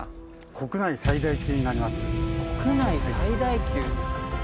国内最大級！